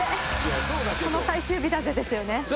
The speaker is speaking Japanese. この最終日だぜですよね。